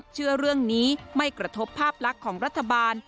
เชื่อเรื่องนี้ไม่กระทบภาพลักษณ์ของรัฐบาล